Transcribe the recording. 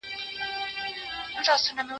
ما مخکي د ښوونځي کتابونه مطالعه کړي وو!!